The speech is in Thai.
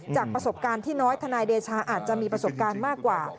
จากประสบการณ์ที่น้อยทนายเดชาอาจจะมีประสบการณ์มากกว่า